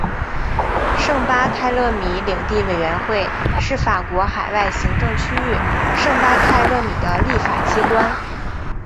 圣巴泰勒米领地委员会是法国海外行政区域圣巴泰勒米的立法机关。